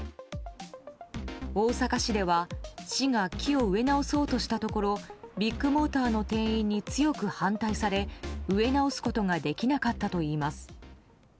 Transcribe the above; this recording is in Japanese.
大阪市では市が木を植え直そうとしたところビッグモーターの店員に強く反対され植え直すことができなかったといいます。